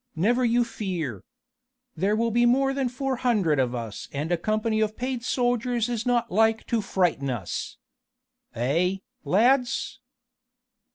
Never you fear! There will be more than four hundred of us and a company of paid soldiers is not like to frighten us. Eh, lads?"